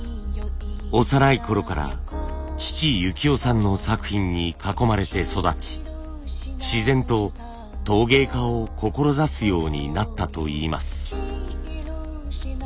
幼いころから父由紀夫さんの作品に囲まれて育ち自然と陶芸家を志すようになったといいます。